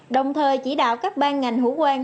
đồng thời chỉ đạo các bang ngành hữu quan